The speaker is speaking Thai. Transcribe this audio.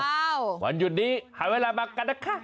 วันหยุดนี้หาเวลามากันนะคะ